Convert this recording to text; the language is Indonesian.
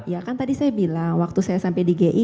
ya kan tadi saya bilang waktu saya sampai di gi